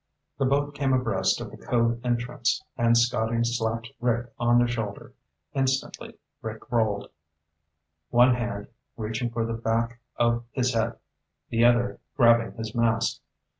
The boat came abreast of the cove entrance and Scotty slapped Rick on the shoulder. Instantly Rick rolled, one hand reaching for the back of his head, the other grabbing his mask.